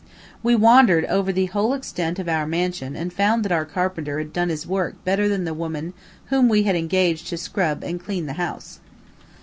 We wandered over the whole extent of our mansion and found that our carpenter had done his work better than the woman whom we had engaged to scrub and clean the house.